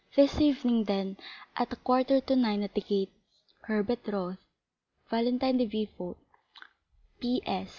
This evening, then, at a quarter to nine at the gate. "Your betrothed, "Valentine de Villefort." "P.S.